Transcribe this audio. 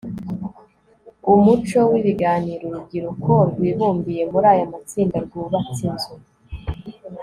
umuco w ibiganiro Urubyiruko rwibumbiye muri aya matsinda rwubatse inzu